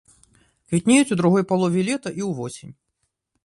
Квітнеюць ў другой палове лета і ўвосень.